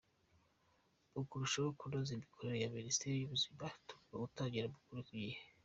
Mukurushaho kunoza imikorere ya minisiteri yubuzima tugomba gutangira amakuru kigihe